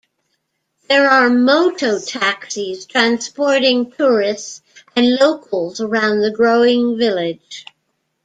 There are Moto-taxis transporting tourists and locals around the growing village.